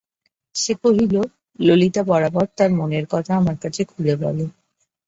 সে কহিল, ললিতা বরাবর তার মনের কথা আমার কাছে খুলে বলে।